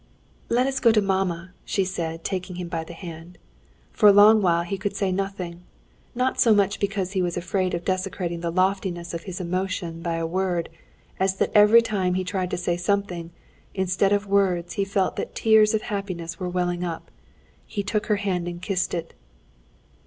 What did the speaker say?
"Let us go to mamma!" she said, taking him by the hand. For a long while he could say nothing, not so much because he was afraid of desecrating the loftiness of his emotion by a word, as that every time he tried to say something, instead of words he felt that tears of happiness were welling up. He took her hand and kissed it.